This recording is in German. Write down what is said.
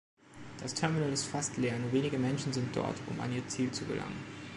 Das Terminal ist fast leer, nur wenige Menschen sind dort, um an ihr Ziel zu gelangen.